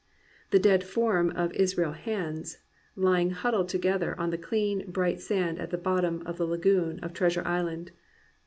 The dead form of Israel Hands lying hud dled together on the clean, bright sand at the bot tom of the lagoon of Treasure Island.